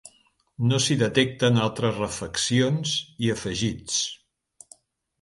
No s'hi detecten altres refaccions i afegits.